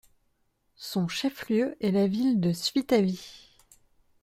Son chef-lieu est la ville de Svitavy.